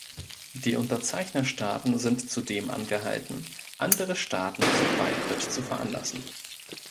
Die Unterzeichnerstaaten sind zudem angehalten, andere Staaten zum Beitritt zu veranlassen.